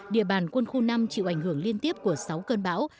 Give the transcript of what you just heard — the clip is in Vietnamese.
địa bàn quân khu năm chịu ảnh hưởng liên tiếp của sáu cơn bão